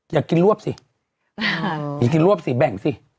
อย่างกินรวบสิแบ่งสิ